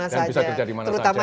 dan bisa kerja dimana saja